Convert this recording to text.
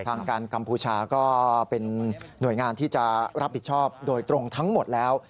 ทางการกัมพูชาก็เป็นหน่วยงานที่จะรับผิดชอบโดยตรงทั้งหมดแล้ว